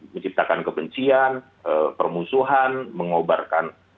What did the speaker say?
menciptakan kebencian permusuhan mengobarkan